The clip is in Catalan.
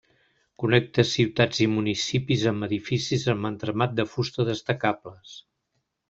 Connecta ciutats i municipis amb edificis amb entramat de fusta destacables.